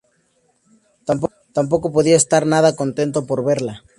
Tampoco podía estar nada contento por verla.